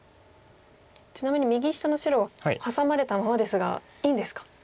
ちなみに右下の白ハサまれたままですがいいんですか。